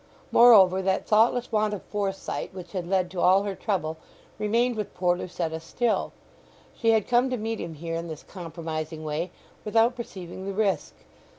Moreover that thoughtless want of foresight which had led to all her trouble remained with poor Lucetta still; she had come to meet him here in this compromising way without perceiving the risk.